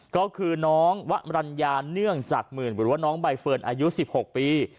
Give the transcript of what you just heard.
ก็คือน้องวะมรัญญาเนื่องจากหมื่นหรือว่าน้องใบเฟิร์นอายุ๑๖ปี